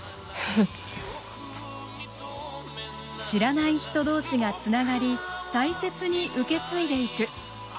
知らない人同士がつながり大切に受け継いでいく。